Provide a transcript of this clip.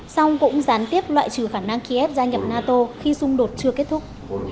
xong cũng gián tiếp loại trừ khả năng ký ép gia nhập nato khi xung đột chưa kết thúc